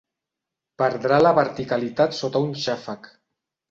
Perdrà la verticalitat sota un xàfec.